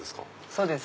そうです。